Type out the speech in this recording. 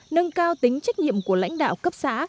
nâng cao tính trách nhiệm của lãnh đạo cấp xã